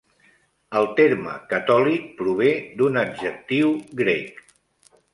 El terme catòlic prové d'un adjectiu grec.